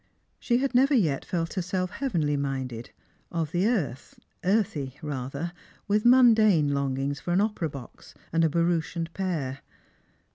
She had never yet felt herself heavenly minded; of the earth, earthy rather, with mimdane longings for an opera box and a barouche and pair.